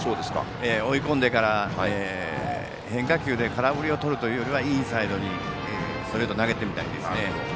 追い込んでから変化球で空振りをという意味でインサイドにストレートを投げてみたりとかね。